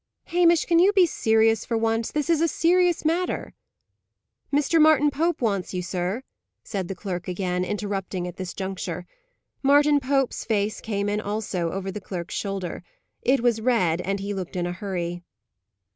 "Hamish, can you be serious for once? This is a serious matter." "Mr. Martin Pope wants you, sir," said the clerk again, interrupting at this juncture. Martin Pope's face came in also, over the clerk's shoulder. It was red, and he looked in a hurry.